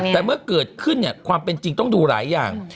แต่เมื่อเกิดขึ้นเนี่ยความเป็นจริงต้องดูหลายอย่าง